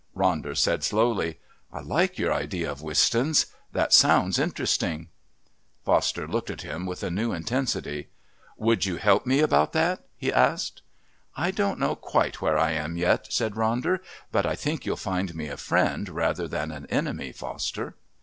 Ronder said slowly. "I like your idea of Wistons. That sounds interesting." Foster looked at him with a new intensity. "Would you help me about that?" he asked. "I don't know quite where I am yet," said Ronder, "but I think you'll find me a friend rather than an enemy, Foster."